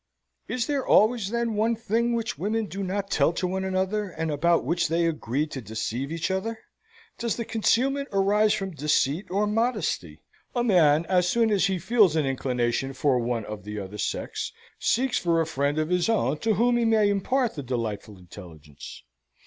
Is there always, then, one thing which women do not tell to one another, and about which they agree to deceive each other? Does the concealment arise from deceit or modesty? A man, as soon as he feels an inclination for one of the other sex, seeks for a friend of his own to whom he may impart the delightful intelligence.